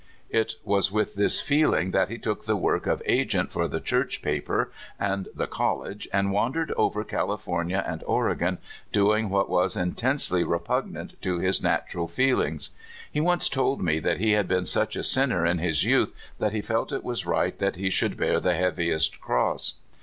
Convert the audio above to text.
It was with this feeling that he took the work of agent for the Church paper and the college, and wandered over California and Oregon, doing what was intensely repugnant to his natural feelings. He once told me that he had been such a sinner in his youth that he felt it was right that he should bear the heaviest cross.